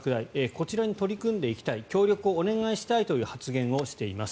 こちらに取り組んでいきたい協力をお願いしたいという発言をしています。